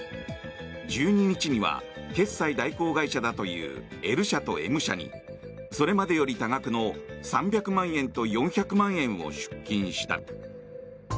１２日には決済代行会社だというＬ社とＭ社にそれまでより多額の３００万円と４００万円を出金した。